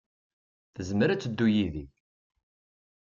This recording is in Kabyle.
Tezmer ad teddu yid-i.